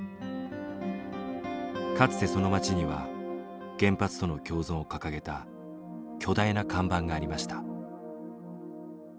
かつてその町には原発との共存を掲げた巨大な看板がありました。